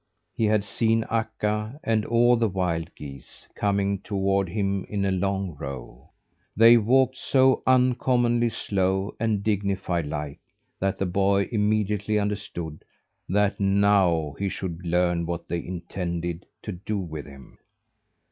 He had seen Akka, and all the wild geese, coming toward him in a long row. They walked so uncommonly slow and dignified like, that the boy immediately understood that now he should learn what they intended to do with him.